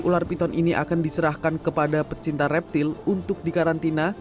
ular piton ini akan diserahkan kepada pecinta reptil untuk dikarantina